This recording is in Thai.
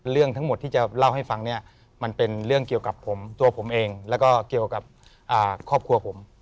เรื่องทั้งหมดที่จะเล่าให้ฟังเนี่ยมันเป็นเรื่องเกี่ยวกับผมตัวผมเองแล้วก็เกี่ยวกับครอบครัวผม